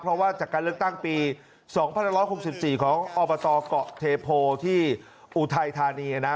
เพราะว่าจากการเลือกตั้งปี๒๑๖๔ของอบตเกาะเทโพที่อุทัยธานีนะ